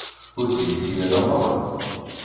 Ur d-yusi ara maḍi.